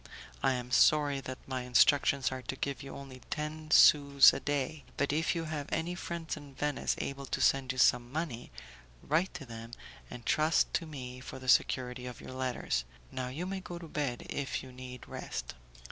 I am sorry that my instructions are to give you only ten sous a day, but if you have any friends in Venice able to send you some money, write to them, and trust to me for the security of your letters. Now you may go to bed, if you need rest."